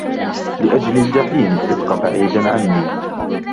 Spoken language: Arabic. لأجل الجحيم، ابق بعيدا عني!